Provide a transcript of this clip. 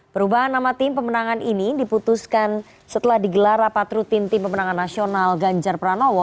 perubahan nama tim pemenangan ini diputuskan setelah digelar rapat rutin tim pemenangan nasional ganjar pranowo